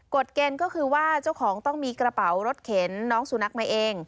เกณฑ์ก็คือว่าเจ้าของต้องมีกระเป๋ารถเข็นน้องสุนัขมาเอง